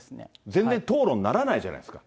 全然討論にならないじゃないですか。